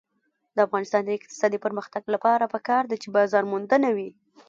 د افغانستان د اقتصادي پرمختګ لپاره پکار ده چې بازارموندنه وي.